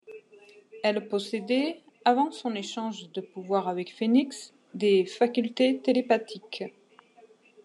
Elle possédait, avant son échange de pouvoirs avec Phénix, des facultés télépathiques.